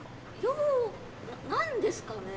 よう何ですかね？